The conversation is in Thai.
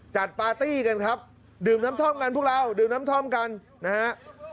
ปาร์ตี้กันครับดื่มน้ำท่อมกันพวกเราดื่มน้ำท่อมกันนะฮะ